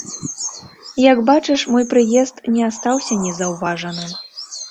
Як бачыш, мой прыезд не астаўся незаўважаным.